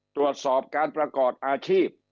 ตรวจสอบการประกอบอาชีพ